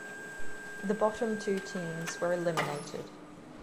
The bottom two teams were eliminated.